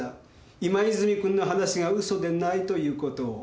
今泉君の話がウソでないということを。